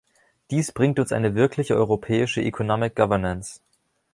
Dies bringt uns eine wirkliche europäische Economic Governance.